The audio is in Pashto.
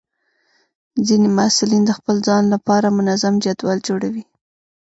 ځینې محصلین د خپل ځان لپاره منظم جدول جوړوي.